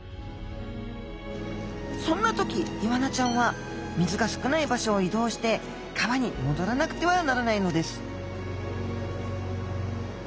そんな時イワナちゃんは水が少ない場所を移動して川にもどらなくてはならないのです